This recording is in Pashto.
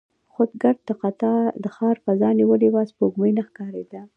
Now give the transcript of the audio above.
خو ګرد د ښار فضا نیولې وه، سپوږمۍ نه ښکارېده.